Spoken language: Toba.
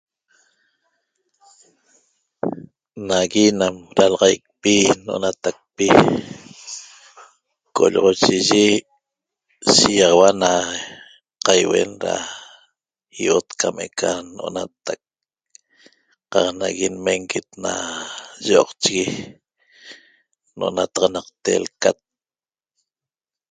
Nagui nam ralaxaicpi no'onatacpi qolloxochiyi na shigaxaua na qaiuen ra io'ot cam eca no'onatac qaq nagui nmenguet na yo'oqchigui no'onataxanaqte lcat